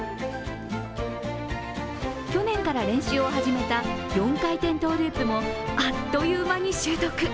去年から練習を始めた４回転トゥループもあっという間に習得。